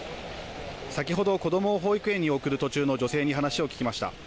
先ほど、子どもを保育園に送る途中の女性に話を聞きました。